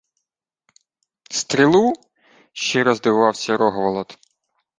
— Стрілу? — щиро здивувався Рогволод.